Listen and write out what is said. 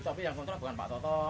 tapi yang kontrak bukan pak toto